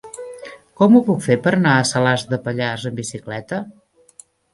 Com ho puc fer per anar a Salàs de Pallars amb bicicleta?